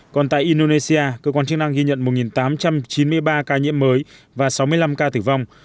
còn tại indonesia cơ quan chức năng ghi nhận một tám trăm chín mươi ba ca nhiễm mới và sáu mươi năm ca tử vong